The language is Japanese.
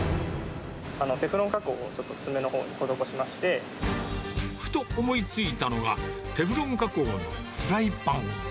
テフロン加工をちょっと爪のふと思いついたのが、テフロン加工のフライパン。